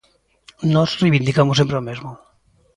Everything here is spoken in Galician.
Nós reivindicamos sempre o mesmo.